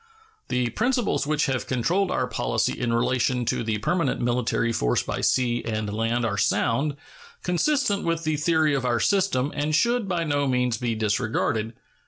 The principles which have controlled our policy in relation to the permanent military force by sea and land are sound, consistent with the theory of our system, and should by no means be disregarded.